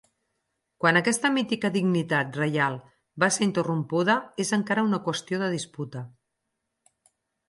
Quan aquesta mítica dignitat reial va ser interrompuda és encara una qüestió de disputa.